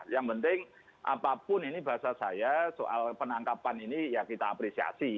yang penting apapun ini bahasa saya soal penangkapan ini ya kita apresiasi